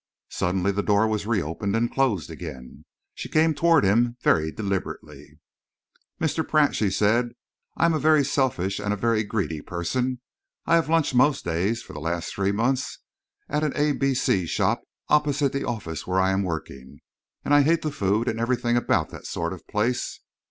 Suddenly the door was reopened and closed again. She came towards him very deliberately. "Mr. Pratt," she said, "I am a very selfish and a very greedy person. I have lunched most days, for the last three months, at an A. B. C. shop opposite the office where I am working, and I hate the food and everything about that sort of place.